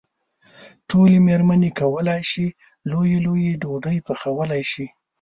ټولې مېرمنې کولای شي لويې لويې ډوډۍ پخولی شي.